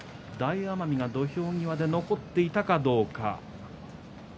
大奄美が土俵際で残っていたかどうか。